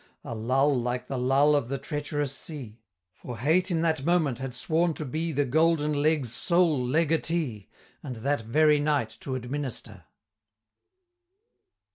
A lull like the lull of the treacherous sea For Hate in that moment had sworn to be The Golden Leg's sole Legatee, And that very night to administer!